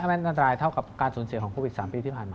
การแม่แม่นดันดายเท่ากับการสูญเสียของโฟวิต๓ปีที่ผ่านมา